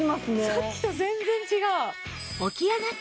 さっきと全然違う。